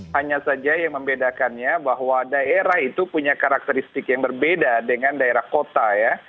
hanya saja yang membedakannya bahwa daerah itu punya karakteristik yang berbeda dengan daerah kota ya